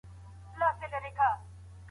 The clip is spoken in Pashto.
د کینې پر ځای باید د ورورولۍ فضا جوړه سي.